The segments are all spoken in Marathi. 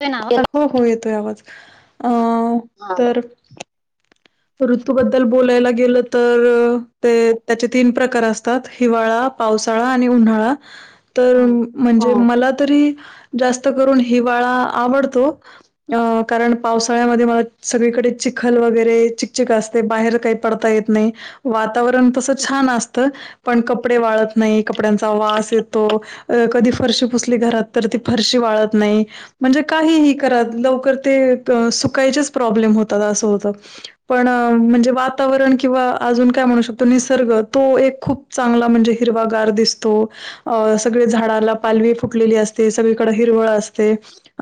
येतोय ना आवाज? हो हो येतोय आवाज. हा ब [unintelligible] तर ऋतूबद्दल बोलायला गेलं तर, ते त्याचे तीन प्रकार असतात. हिवाळा, पावसाळा, आणि उन्हाळा. तर म्हणजे मला तरी जास्त करून हिवाळा आवडतो. अ कारण पावसाळ्यामध्ये मला सगळीकडे चिखल वगैरे, चीक चीक असते. बाहेर काही पडता येत नाही. वातावरण तस छान असत. पण कपडे वाळत नाही. कपड्यांचा वास येतो. अ कधी फरशी पुसली घरात तर, ती फरशी वाळत नाही. म्हणजे काहीही लवकर ते सुकायचेच प्रॉब्लेम होतात. अस होत. पण म्हणजे वातावरण. किंवा अजून काय म्हणू शकतो? निसर्ग तो एक खूप चांगला म्हणजे हिरवागार दिसतो. अ सगळी झाडाला पालवी फुटलेली असते. सगळीकडे हिरवळ असते.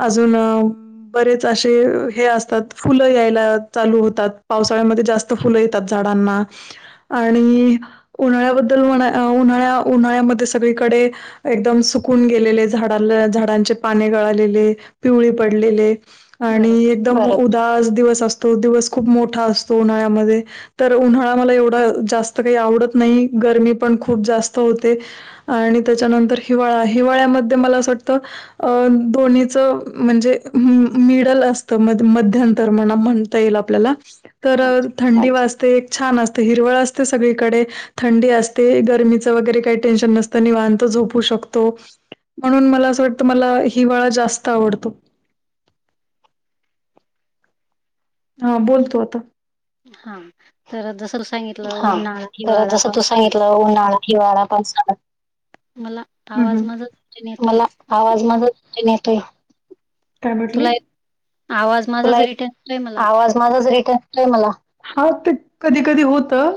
अजून बरेच असे हे असतात. फुलं यायला चालू होतात. पावसाळ्यामध्ये जास्त फुलं येतात झाडांना. आणि उन्हाळ्याबद्दल उन्हाळ्या उन्हाळ्यामध्ये सगळीकडे एकदम सुकून गेलेले. झाडाला झाडांचे पाने गळालेले. पिवळी पडलेले. आणि एकदम उदास दिवस असतो. दिवस खूप मोठ ठा असतो उन्यामध्ये. तर उन्हाळा मला एवढा जास्त काही आवडत नाही. गरमी पण खूप जास्त होते. आणि त्याच्यानंतर हिवाळा. हिवाळ्यामध्ये मला असं वाटतं. अ दोन्हीच म्हणजे मिडल असत. म मध्यंतर म्हणा म्हण ता येईल आपल्याला. तर थंडी वाचते. एक छान असते. हिरवळ असते सगळीकडे. थंडी असते गरमीचं वगैरे काही टेन्शन नसत. निवांत झोपू शकतो. म्हणून मला असं वाटतं मला हिवाळा जास्त आवडतो. हा बोल तू आता. हा तर जस सांगितलं उन्हाळा, हिवाळा, पावसाळा उन्हाळा हिवाळा पावसाळा. हम्म हम्म. मला आवाज माझा [inaudible] तुला येतो आवाज तुला येतो आवाज माझाच रिटर्नय मला, हा ते कधी कधी होत अ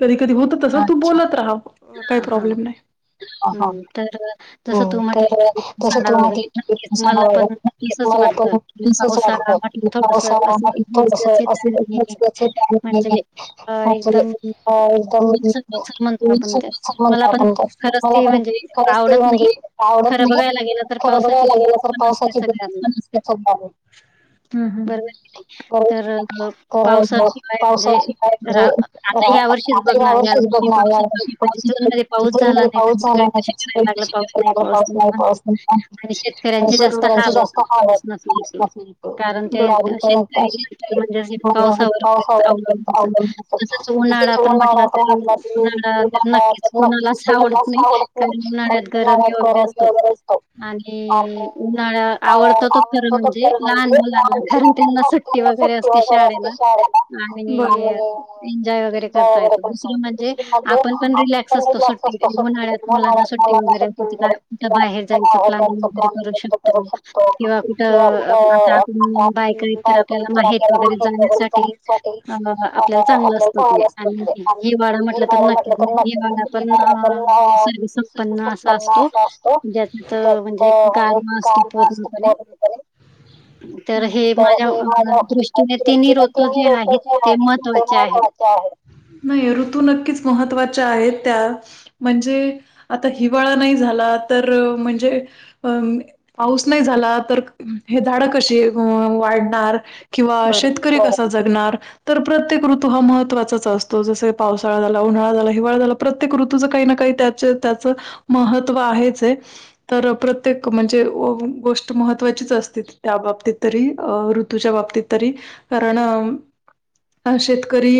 कधी कधी होत तस तू बोलत राहा काही प्रॉब्लेम नाय हम्म तर जसं तू म्हटले किसाड वगरे मला पण [unintelligible] तसच वाटत की वाटत पावसा थोडस अस [inaudible] ह अ एकदम [inaudible] म्हणतो आपण मला पण खरंच ते म्हणजे आवडत नाही [inaudible] पोर बघयला लागली पावसाचं [inaudible] बरोबर कि नाही तर पावसाशिवाय म्हणजे रा आता या वर्षीच बघ ना या वर्षी पाऊसच म्हणजे जून मध्ये पाऊस झाला नाही तर सगळी कशी करायला लागली की पाऊस नाही पाऊस नाही आणि शेतकऱ्यांचे जास्त हाल होतात पाऊस नसला तर.. कारण ते शेतकरी म्हणजेे पावसावरच अवलंबून असत तसंच उन्हाळा आपण म्हटला तर उन्हाळा नक्कीच, कुनालाच आवडत नाही कारण उन्हाळ्यात गरम वगैरे असतो आणि उन्हाळा आवडतो तो खरं म्हणजे, लहान मुलांना कारण त्यांना सुट्टी वगैरे असते शाळेला आणि एन्जॉय वगैरे करता येतो दुसरं म्हणजे आप पण पण रिलॅक्स असतो सुट्टी उन्हाळ्यात मुलांना सुट्टी वगैरें बाहेर कुठ बाहेर त्यांचं प्लॅन वैगरे करू शकतो किंवा कुठं आता आपण बायका तर आपल्याला माहेर वगैरे जाण्यासाठी अ आपल्याला चांगलं असत आणि हिवाळा म्हटलं तर नक्की हिवाळा पण सर्व संपन्न असा असतो जास्त त म्हणजे गारवा असतो पूर्णपणे [inaudible] तर हे माझ्या शषरती ऋत जे आहे ते महत्वाचे आहे [unintelligible] नाही ऋतू नक्कीच महत्त्वाचे आहेत त्या म्हणजे आता हिवाळा नाही झाला तर म्हणजे अ पाऊस नाही झाला तर हे झाडं कशी वाढणार किंवा शेतकरी कसा जगणार.... तर प्रत्येक ऋतू हा महत्त्वाचाच असतो जस पावसाळा झाला, उन्हाळा झाला, हिवाळा झाला.... प्रत्येक ऋतूच काही ना काही त्याच त्याचं महत्व आहेच आहे तर प्रत्येक म्हणजे गोष्ट मह महत्वाचीच असते त्या बाबतीत तरी अ ऋतूच्या बाबतीत तरी कारणं शेतकरी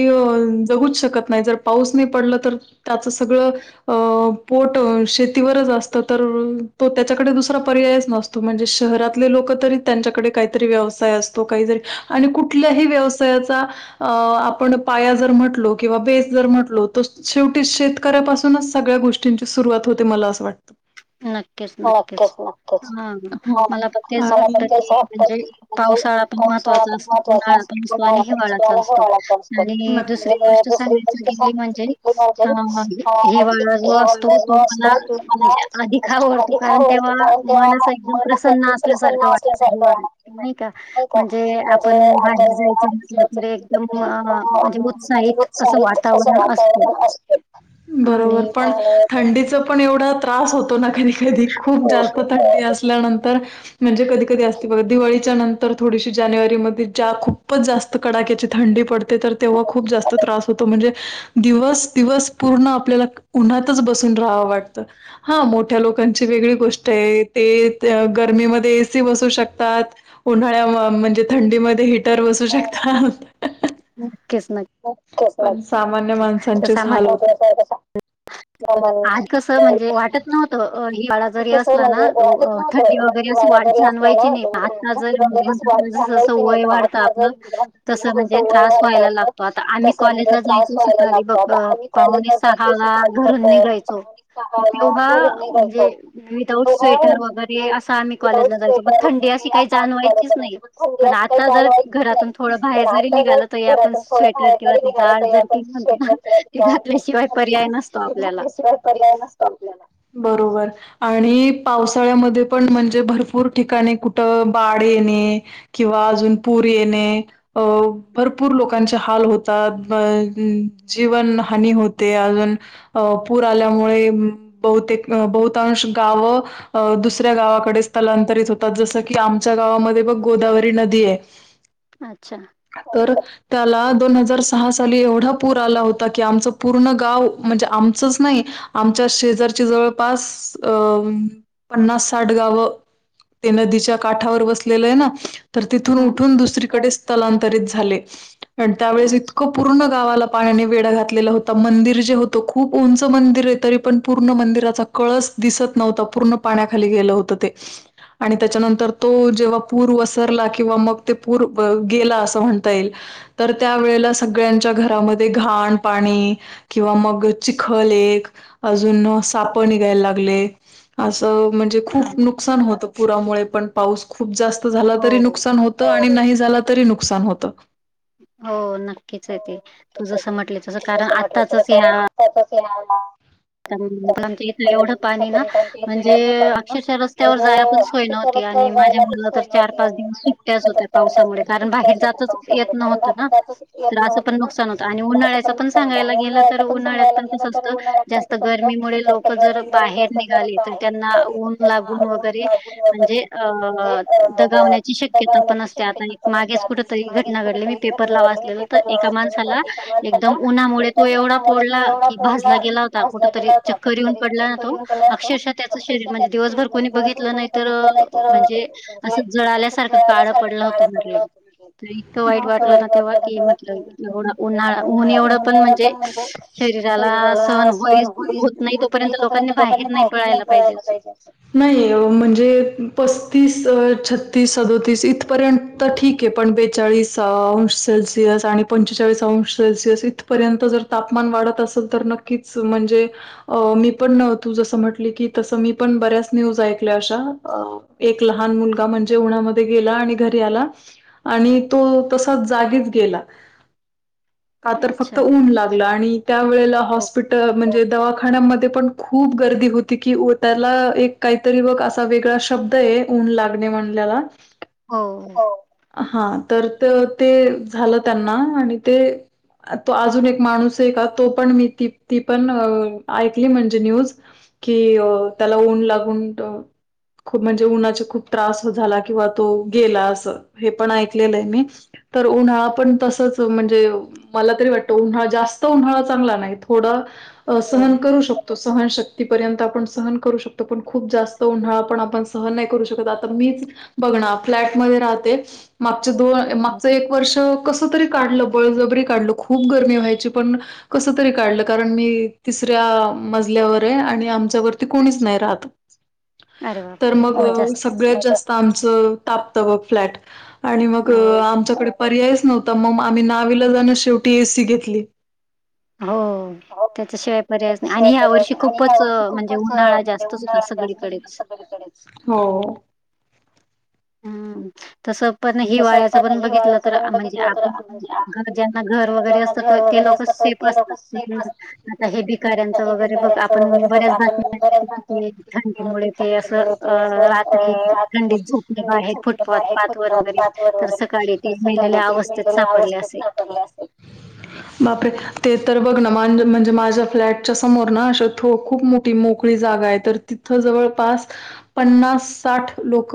जगूच शकत नाही जर पाऊस नाही पडलं तर त्याचं सगळं अ पोट शेतीवरच असत तर तो त्याच्याकडे दुसरा पर्यायच नसतो म्हणजे शहरात लोक तरी त्यांच्याकडे काहीतरी व्यवसाय असतो काहीतरी आणि कुठल्याही व्यवसायाचा अ आपण पाया जर म्हटलो किंवा बेस जर म्हटलो, तर शेवटी शेतकऱ्यापासूनच सगळ्या गोष्टी... ष्टी ची सुरवात होते आस मला वाटत हो हो हो.. मला पणं वाटत की म्हणजे पावसाळा पण महत्वाचा असतो उन्हाळा महत्वाचा असतो आणि हिवाळा पण - [inaudible] त तु मला आधीख आवडतो कारण तेव्हाना [inaudible] प्रसन्न असल्यासारखं वाटत नाही का म्हणजे आ [inaudible] ह अस वातावरण [unintelligible] बरोबर पण [inaudible] थंडीच पण एवढा त्रास होतो ना, कधी-कधी खूप जास्त थंडी अस. नंतर. म्हणजे कधी-कधी असते बघ, दिवाळीच्या नंतर थोडीशी जानेवारीमध्ये जा खूपच जास्त.. कडाक्याची थंडी पडते तर, तेव्हा खूप जास्त त्रास होतो म्हणजे. दिवस दिवस पूर्ण आपल्याला उन्हातच बसून राहावं वाटतं. हा मोठ्या लोकांची वेगळी गोष्ट आहे ते गर्मीमध्ये. ए. सी बसू शकतात, उन्हाळ्या म्हणजे थंडीमध्ये हिटर बसू शकतात. नक्कीच नक्की. सामान्य माणसांचेच हाल होतात. आज कसं म्हणजे वाटत नव्हतं, हिवाळा जरी असला ना त. थंडी वगैरे असशी वा जाणवायची नाही, आता जर म्हणतातस जसं वय वाढतं आपलं. तसं म्हणजे त्रास व्हायला लागतो, आता आम्ही कॉलेजला जायचो सकाळी बघ पाहुणे सहा मला घरून निघायचो तेव्हा म्हणजे. विदाऊट स्वेटर वगैरे, असं आम्ही कॉलेजला जायचो मग थंडी अशी काही जाणवायचीच नाही. पण आता जर घरातून थोडं बाहेर जरी निघालं तरी आपण स्वेटर किंवा जाळ जर. म्हणतो ना ते घातल्याशिवाय. घातल्याशिवाय पर्याय नसतो आपल्याला बरोबर. आणि पावसाळ्यामध्ये पण, म्हणजे भरपूर ठिकाणी कुठं बाढ येणे. किंवा अजून पूर येणे, अ भरपूर लोकांचे हाल होते. जीवन हानी होते अजून. अ पूर आल्यामुळे बहुतेक बहुतांश गावं. अ दुसऱ्या गावाकडे स्थलांतरित होतात, जसं की आमच्या गावामध्ये बघ गोदावरी नदी आहे. ह. अच्छा. तर त्याला दोन हजार सहा साली एवढा पूर आला होता की, आमचं पूर्ण गाव. म्हणजे आमचच नाही आमच्या शेजारची जवळपास अ. पन्नास-साठ गावं ते नदीच्या काठावर बसलेलं आहे ना. तर तिथून उठून दुसरीकडे स्थलांतरित झाले, आणि त्यावेेळेस इतकं पूर्ण गावाला. पाण्याने वेडा घातलेला होता, मंदिर जे हो. तो खूप उंच मंदिर आहे तरी पण, पूर्ण मंदिराचा कळस दिसत नव्हता पूर्ण पाण्याखाली गेलं होतं ते. आणि त्याच्यानंतर. तो जेव्हा पूर वसरला किंवा मग ते पूर गेला असं म्हणता येईल. तर त्या वळेला सगळ्यांच्या घरामध्ये घाण पाणी किंवा मग. चिखल एक, अजून साप निघायला लागले. असं म्हणजे, खूप नुकसान होतं पुरामुळे, पण पाऊस खूप जास्त झाला तरी नुकसान होत. आणि नाही झाला तरी नुकसान होत. हो नक्कीच आहे ते, तू जस म्हटले तस कारण आताचच या. त्यात चणारला. आ आमच्या इथं एवढं पाणी ना, म्हणजे अक्षरशः रस्त्यावर जाय पण होय नव्हती, आणि माझ्या मुला तर चार-पाच दिवस सुट्याच होत्या. पावसामुळे कारण बाहेर जातच. येत न होत ना, तर असं पण नुकसान होतं आणि उन्हाळ्याच पण सांगायला गेलं तर. उन्हं उन्हाळ्यात पण कस असत. जास्त गरमीमुळे लोक जर बाहेर निघाले, तर त्यांना ऊन लागून वगैरे. म्हणजे अ दगावण्याची शक्यता पण असते, आता एक मागेच कुठतरी घटना घडली मी. पेपर ला असले तर एका माणसाला एकदम उन्हामुळे तो एवढा पड की भाजला गेला. कुठ तरी चक्कर येऊन पडला ना तो अक्षरशा त्याच शरीर म्हणजे दिवसभर कोणी बघितलं नाही तर म्हणजे असं जळाल्यासारखं काळं पडलं होतं म्हटले. तर इतकं वाईट वाटलं ना तेव्हा कि म्हटल एवढ उन्हाळा उऊन एवढं पण म्हणजे शरीराला सहन होईल होत नाही तोपर्यंत लोकांनी बाहेर नाही पळायला पाहिजे असं. नाही म्हणजे पस्तीस छतीस सदोतीस इथपर्यंत तर ठीक ये पण बेचाळीस अंश सेल्सिअस आणि पंचेचाळीस अंश सेल्सिअस इथपर्यंत जर तापमान वाढत असेल तर नक्कीच म्हणजे अ मी पण तू जसं म्हटली की तसं मी पण बऱ्याच न्यूज ऐकल्या अशा अ एक लहान मुलगा म्हणजे उन्हामध्ये गेला आणि घरी आला. आणि तो तसा जागीच गेला का तर फक्त ऊन लाग आणि त्या वळेला हॉस्पिटल म्हणजे दवाखान्यामध्ये पण खूप गर्दी होती कि त्याला एक काहीतरी बघ असा वेगळा शब्द आहे ऊन लागणे म्हणल्याला. हो. हा तर ते झालं त्यांना आणि ते तो अजून एक माणूस आहे का तो पण मी त ती पण ऐकली म्हणजे न्यूज. कि त्याला ऊन लागून खूप म्हणजे उन्हाचा खूप त्रास झाला किंवा तो गेला असं हे पण ऐकलेलं आहे मी. तर उन्हाळा पण तसच म्हणजे मला तरी वाटतं उन्हा जास्त उन्हाळा चांगला नाही थोडा सहन करू शकतो. तो सहनशक्तीपर्यंत आपण सहन करू शकतो पण खूप जास्त उन्हाळा पण आपण सहन नाही करू शकत आता मीच बघ ना फ्लॅट मध्ये राहते. मागच दोन मागचं एक वर्ष कस तरी काढलं बळजबरी काढल खूप गरमी व्हायची. पण कस तरी काढलं कारण मी तिसऱ्या मजल्या वर ये आणि आमच्या वर कोणीच नाही राहत तर मग सगळ्यात जास्त आमच तापत ब फ्लॅट आणि मग आमच्याकडे पर्यायच नव्ह तर मग आम्ही नाविलाजाणं शेवटी एसी घेतली. हो. त्याच्याशिवाय पर्याय नाही आणि ह्या वर्षी खूपच म्हणजे उन्हाळा जास्तच होता सगळीकडेच. हो. हम्म तस पण हिवाळ्याच पण बघितलं तर म्हणजे आप ज्यांना घर वगैरे असतं ते लोक सेफ आता हे भिकाऱ्यांचं वगैरे बघ आपण बऱ्याच जाती ते थंडीमुळे ते असं अ रात्री थंडीत [unintelligible] झोप त्यात व वगैरे तर सकाळी ती मेलेल्या अवस्थेत सापडल्या असेल. बापरे ते तर बघ ना म्हणजे माझ्या फ्लॅटच्या समोर ना अशा खूप मोठी मोकळी जागा आहेत. तर तिथं जवळपास पन्नास साठ लोक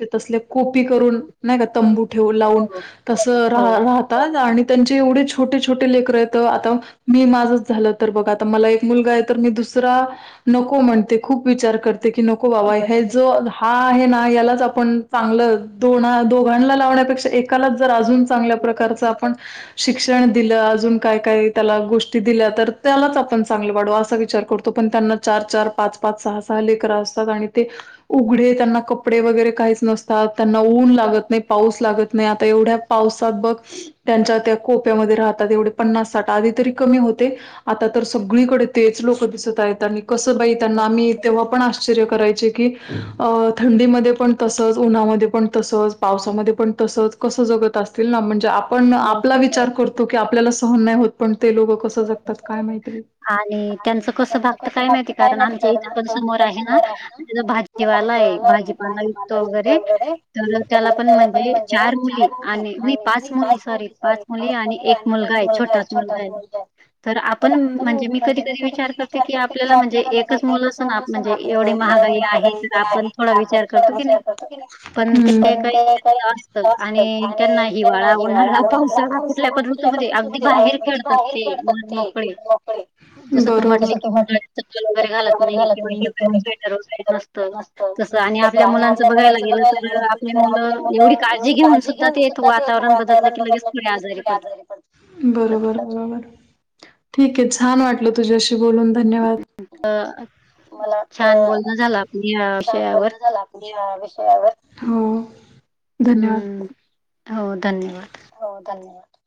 ते तसले कोपी करून नाही का तंबू ठेवून लावून तस रा राहतात. आणि त्यांचे एवढे छोटे छोटे लेकर येतं आता मी माझंच झालं तर बघा आता मला एक मुलगा आहे तर मी दुसरा नको म्हणते खूप विचार करते की नको नको बाबा हे जो हा आहे ना यालाच आपण चांगलं दोन दोघांना लावण्यापेक्षा एकालाच जर अजून चांगल्या प्रकारचं आपण शिक्षण दिलं अजून काय काय त्याला गोष्टी दिल्या तर त्यालाच आपण चांगलं वाढवू असा विचार करतो पण त्यांना चार चार पाच पाच सहा सहा लेकर असतात आणि ते उघडे त्यांना कपडे वगैरे काहीच नसतात त्यांना ऊन लागतं. नाही पाऊस लागतं नाही आता एवढ्या पावसात बघ त्यांच्या त्या कोप्यामध्ये राहतात येवढे पन्नास साठ आधी तरी कमी होते. आता तर सगळीकडे तेच लोक दिसत आहेत आणि कसं बाई त्यांना आम्ही तेव्हा पण असं आश्चर्य करायचे की अ थंडीमध्ये पण तसंच उन्हामध्ये पण तसंच पावसामध्ये पण तसंच कसं जगत असतील ना म्हणजे आपण आपला विचार करतो की आपल्याला सहन नाही होत पण ते लोक कसं जगतात काय माहिती आणि त्यांच कसं भागत काय माहिती कारण आमच्या इथं पण समोर आहे ना तिच भात जिवालाय भाजीपाला विकतो वगैरे तर त्याला पण म्हणजे चार मुली आणि नाही पाच मुली सॉरी पाच मुली आणि एक मुलगा आहे छोटाच मुलगा आहे तर पण म्हणजे मी कधी कधी विचार करते की आपल्याला म्हणजे एकच मुलं असं ना म्हणजे एवढी महागाई आहे आपण थोडा विचार करतो की नाही पण ते आणि त्यांना हिवाळा उन्हाळा पावसाळा कुठल्या ऋतू मध्ये अगदी बाहेर खेळत पण ते मोकळे जसं तू म्हटले की पायात चप्पल वगैरे घालत नाही किंवा स्वेटर वगैरे नसतं. तसं आणि आपल्या मुलांच बघायला गेलं तर आपली मुलं एवढी काळजी घेऊन सुद्धा ते येत वातावरण बदललं की लगेच थोडी आजारी पडतात. बरोबर बरोबर ठीक आहे छान वाटलं तुझ्याशी बोलून धन्यवाद मला वाटतं छान बोलण झाला आपलं या विषयावर हम्म हो धन्यवाद हो धन्यवाद